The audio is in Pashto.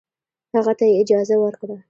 هغه ته یې اجازه ورکړه.